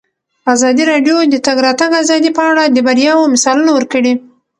ازادي راډیو د د تګ راتګ ازادي په اړه د بریاوو مثالونه ورکړي.